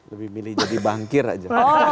lebih milih jadi bangkir aja